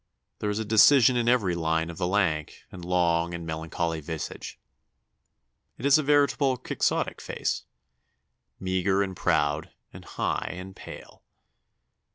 There is decision in every line of the lank, and long, and melancholy visage; it is a veritable Quixotic face. Meagre and proud, and high and pale.